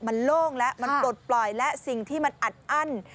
มันโล่งแล้วมันปลดปล่อยและสิ่งที่มันอัดอั้น